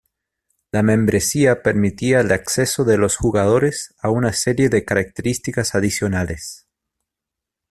La membresía permitía el acceso de los jugadores a una serie de características adicionales.